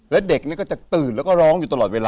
แล้วเด็กก็จะตื่นแล้วก็ร้องอยู่ตลอดเวลา